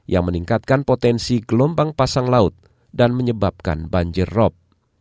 yang meningkatkan potensi gelombang pasang laut dan menyebabkan banjir rob